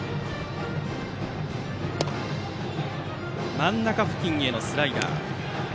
真ん中付近へのスライダー。